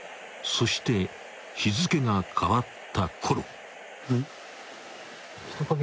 ［そして日付が変わったころ］